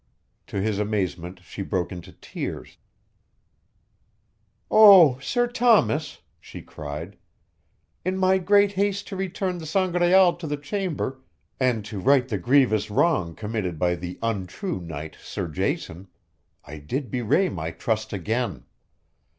To his amazement she broke into tears. "Oh, Sir Thomas!" she cried. "In my great haste to return the Sangraal to the chamber and to right the grievous wrong committed by the untrue knight Sir Jason, I did bewray my trust again.